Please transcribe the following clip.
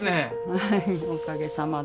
はいおかげさまで。